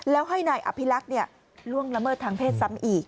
แล้วให้นายอภิรักษ์ล่วงละเมิดทางเพศซ้ำอีก